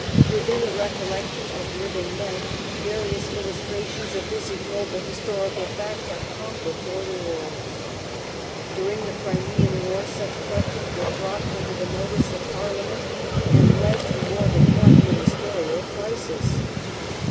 Within the recollection of living men, various 232 THE REIGN OF QUEEN ANNE. ch. xxxi. illustrations of this ignoble historical fact have come before the world. During the Crimean War such questions were brought under the notice of Parlia ment, and led to more than one ministerial crisis.